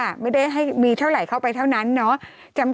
ไม่ได้ให้มีเท่าไหร่เข้าไปเท่านั้นเนาะ